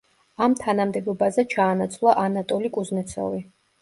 ამ თანამდებობაზე ჩაანაცვლა ანატოლი კუზნეცოვი.